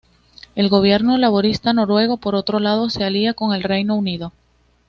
El gobierno laborista noruego, por otro lado, se alía con el Reino Unido.